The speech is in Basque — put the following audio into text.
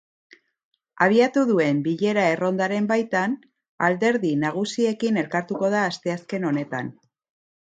Abiatu duen bilera errondaren baitan, alderdi nagusiekin elkartuko da asteazken honetan.